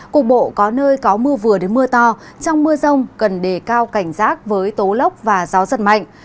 cục bộ có nơi có mưa vừa đến mưa to trong mưa rông cần đề cao cảnh giác với tố lốc và gió giật mạnh